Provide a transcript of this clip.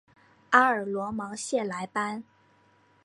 阿尔罗芒谢莱班。